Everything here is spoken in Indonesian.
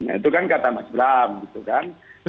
nah itu kan kata mas bram gitu kan